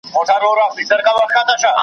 د جهاني غوندي د ورځي په رڼا درځمه .